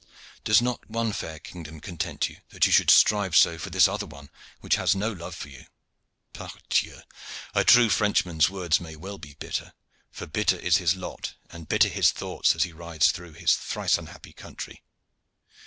Does not one fair kingdom content you, that you should strive so for this other one which has no love for you? Pardieu! a true Frenchman's words may well be bitter, for bitter is his lot and bitter his thoughts as he rides through his thrice unhappy country."